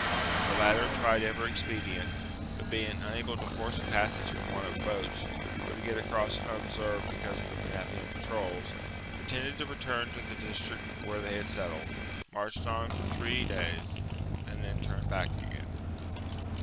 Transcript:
The latter tried every expedient ; but being unable to force a passage from want of boats or to get across unobserved because of the Menapian patrols, pretended to return to the dis trict where they had settled, marched on for three IV USIPETES AND TENCTERI loi days, and then turned back again.